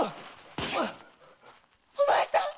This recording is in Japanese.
お前さん！